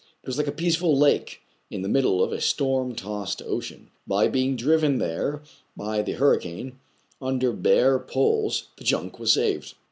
It was like^ peaceful lake in the middle of a storm tossed ocean. By being driven there by the hurricane, under bare poles, the junk was saved.